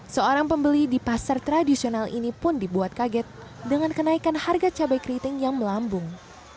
seorang pembeli di pasar tradisional ini pun dibuat kaget dengan kenaikan harga cabai keriting yang melambung